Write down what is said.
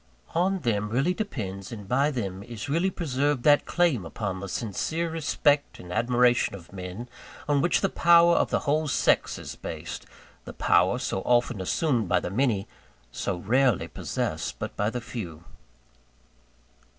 On them really depends, and by then is really preserved, that claim upon the sincere respect and admiration of men, on which the power of the whole sex is based the power so often assumed by the many, so rarely possessed but by the few.